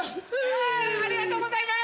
ありがとうございます！